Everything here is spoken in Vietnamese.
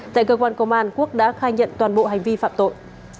tại cơ quan công an quốc đã khai nhận toàn bộ hành vi phạm tội